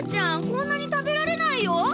こんなに食べられないよ。